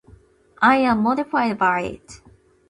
I am mortified by it.